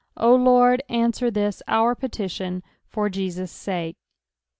O Lord, answer this our petition, for Jesus' sake.